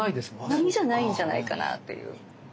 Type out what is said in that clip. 上見じゃないんじゃないかなぁという。